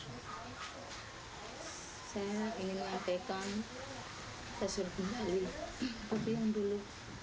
saya ingin mengatakan saya suruh kembali ke pihak dulu